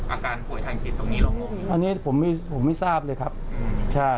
อาการผ่วยทางจิตตรงนี้หรออันนี้ผมไม่ทราบเลยครับใช่